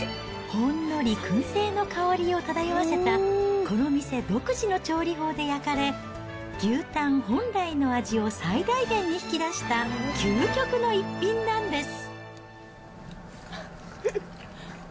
ほんのりくん製の香りを漂わせた、この店独自の調理法で焼かれ、牛タン本来の味を最大限に引き出した究極の逸品なんです。